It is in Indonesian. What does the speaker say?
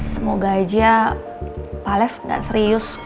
semoga aja pak alex gak serius